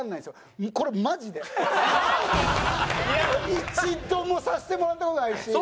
一度もさせてもらった事ないし。